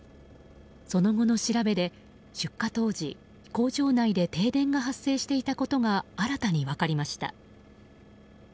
その後の調べで、出火当時工場内で停電が発生していたことが新たに分かりました。